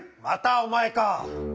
またお前か。